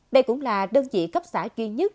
đây cũng là đơn vị cấp xã duy nhất